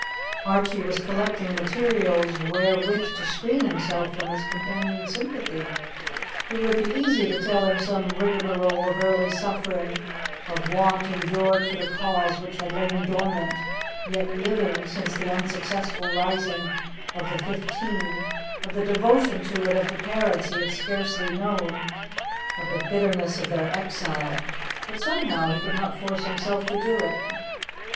Archie was collecting materials wherewith to screen himself from his companion's sympathy. It would be easy to tell him some rigmarole of early suffering, of want endured for the cause which had lain dormant, yet living, since the unsuccessful rising of the '15, of the devotion to it of the parents he had scarcely known, of the bitterness of their exile, but somehow he could not force himself to do it.